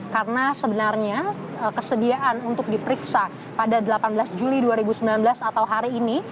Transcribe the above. karena sebenarnya kesediaan untuk diperiksa pada delapan belas juli dua ribu sembilan belas atau hari ini